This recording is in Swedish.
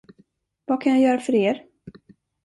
Vad kan jag göra för er?